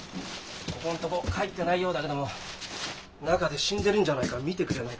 「ここんとこ帰ってないようだけども中で死んでるんじゃないか見てくれないか。